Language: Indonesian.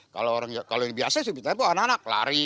kalau yang biasa sebetulnya anak anak lari